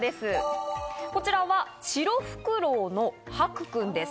こちらはシロフクロウのハクくんです。